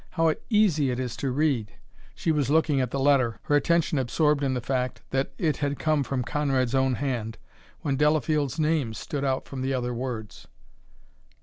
How easy it is to read!" She was looking at the letter, her attention absorbed in the fact that it had come from Conrad's own hand, when Delafield's name stood out from the other words.